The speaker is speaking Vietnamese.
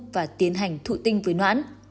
và tiến hành thụ tinh với noãn